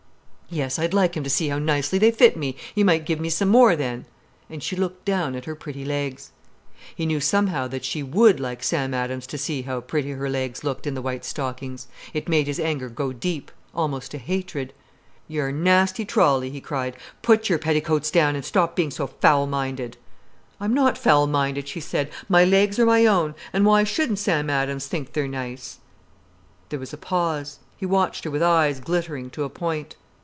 "Yes, I'd like him to see how nicely they fit me, he might give me some more then." And she looked down at her pretty legs. He knew somehow that she would like Sam Adams to see how pretty her legs looked in the white stockings. It made his anger go deep, almost to hatred. "Yer nasty trolley," he cried. "Put yer petticoats down, and stop being so foul minded." "I'm not foul minded," she said. "My legs are my own. And why shouldn't Sam Adams think they're nice?" There was a pause. He watched her with eyes glittering to a point.